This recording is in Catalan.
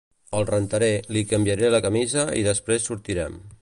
El rentaré, li canviaré la camisa i després sortirem.